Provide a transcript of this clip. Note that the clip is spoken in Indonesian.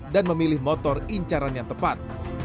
dan memilih motor incaran yang tepat